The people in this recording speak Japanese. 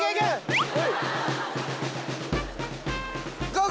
ゴー！